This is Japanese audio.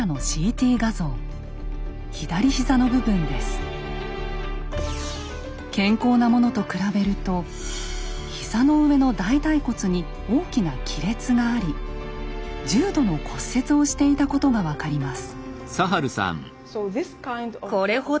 これは健康なものと比べると膝の上の大腿骨に大きな亀裂があり重度の骨折をしていたことが分かります。